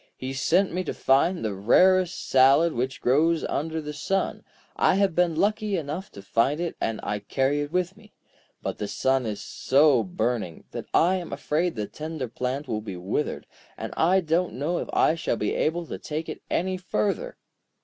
He sent me to find the rarest salad which grows under the sun. I have been lucky enough to find it, and I carry it with me. But the sun is so burning, that I am afraid the tender plant will be withered, and I don't know if I shall be able to take it any further.'